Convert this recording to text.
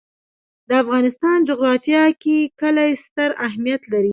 د افغانستان جغرافیه کې کلي ستر اهمیت لري.